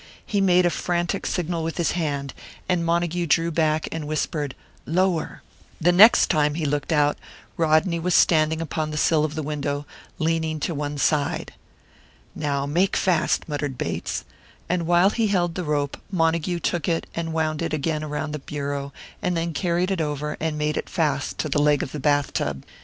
He made a frantic signal with his hand, and Montague drew back and whispered, "Lower!" The next time he looked out, Rodney was standing upon the sill of the window, leaning to one side. "Now, make fast," muttered Bates. And while he held the rope, Montague took it and wound it again around the bureau, and then carried it over and made it fast to the leg of the bath tub.